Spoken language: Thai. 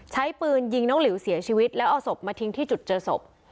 ใช้ปืนยิงน้องหลิวเสียชีวิตแล้วเอาศพมาทิ้งที่จุดเจอศพ